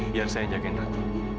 biar saya jagain ratu